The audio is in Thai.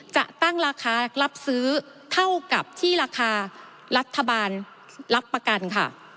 จะตั้งราคารับซื้อเท่ากับที่ราคารัฐบาลรับประกันค่ะ